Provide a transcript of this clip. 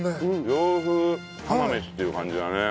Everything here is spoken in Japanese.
洋風釜飯っていう感じだね。